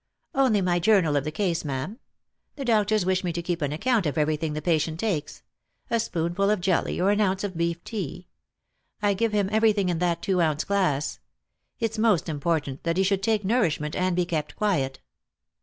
"" Only my journal of the case, ma'am. The doctors wish me to keep an account of everything the patient takes — a spoonful of jelly or an ounce of beef tea. I give him everything in that two ounce glass. It's most important that he should take nourishment and be kept quiet."